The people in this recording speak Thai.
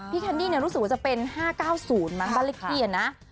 พี่คันดี้เนี่ยรู้สึกว่าจะเป็น๕๙๐มั้งบ้านเลขที่อ่ะนะ